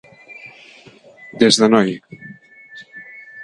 Des de noi.